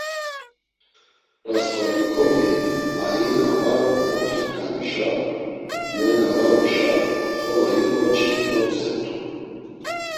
Rasǩolnikovi aina var oxiǩanuşa, nena var uşa xolo him ǩoçis notzert̆u.